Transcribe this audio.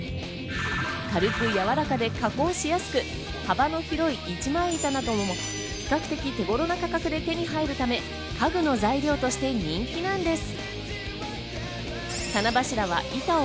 軽くやわらかで加工しやすく幅の広い一枚板などにも比較的手頃な価格で手に入るため、家具の材料として人気なんです。